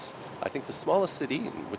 bởi những thành phố khác